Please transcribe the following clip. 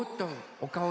おかお